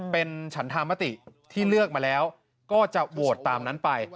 เป็นฉันธามติที่เลือกมาแล้วก็จะโหวตตามนั้นไป